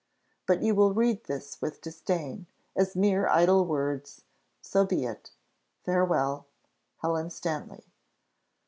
But you will read this with disdain, as mere idle words: so be it. Farewell! HELEN STANLEY."